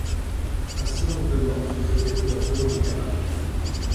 Un silence de mort se faisait peu à peu dans le cabaret.